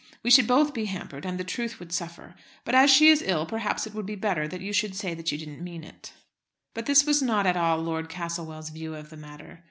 We should both be hampered, and the truth would suffer. But as she is ill, perhaps it would be better that you should say that you didn't mean it." But this was not at all Lord Castlewell's view of the matter.